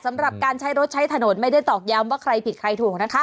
สำหรับการใช้รถใช้ถนนไม่ได้ตอกย้ำว่าใครผิดใครถูกนะคะ